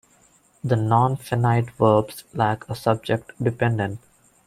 The nonfinite verbs lack a subject dependent.